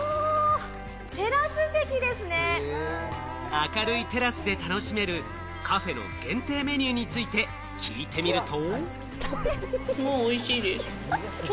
明るいテラスで楽しめる、カフェの限定メニューについて聞いてみると。